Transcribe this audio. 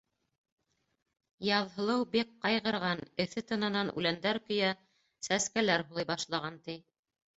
Яҙһылыу бик ҡайғырған, эҫе тынынан үләндәр көйә, сәскәләр һулый башлаған, ти.